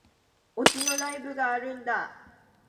推しのライブがあるんだ